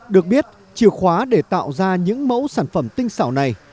được biết chìa khóa để tạo ra những mẫu sản phẩm tinh xảo này